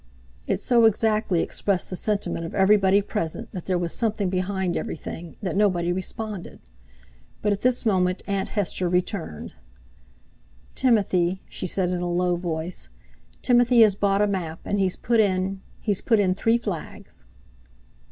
It so exactly expressed the sentiment of everybody present that there was something behind everything, that nobody responded. But at this moment Aunt Hester returned. "Timothy," she said in a low voice, "Timothy has bought a map, and he's put in—he's put in three flags."